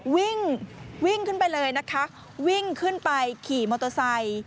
วิ่งวิ่งขึ้นไปเลยนะคะวิ่งขึ้นไปขี่มอเตอร์ไซค์